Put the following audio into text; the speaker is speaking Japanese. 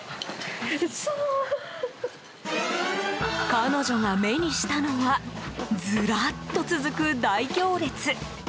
彼女が目にしたのはずらっと続く大行列。